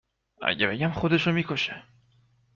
.اگه بگم خودشو می کشه